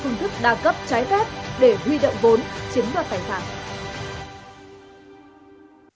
người tiên phong